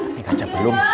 ini gajah belum